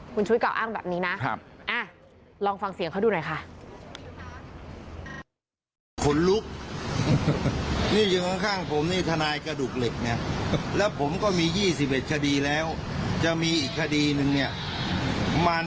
คุณชูวิทกล่าวอ้างแบบนี้นะ